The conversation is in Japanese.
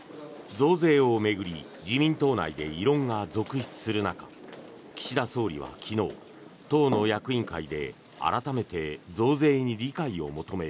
増税を巡り自民党内で異論が続出する中岸田総理は昨日、党の役員会で改めて増税に理解を求め